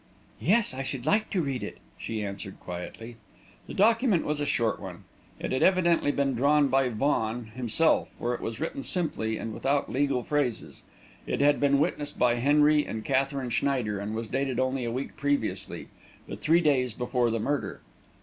"Yes, I should like to read it," she answered quietly. The document was a short one. It had evidently been drawn by Vaughan himself, for it was written simply and without legal phrases. It had been witnessed by Henry and Katherine Schneider, and was dated only a week previously but three days before the murder.